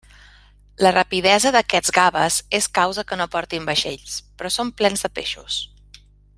La rapidesa d'aquests gaves és causa que no portin vaixells, però són plens de peixos.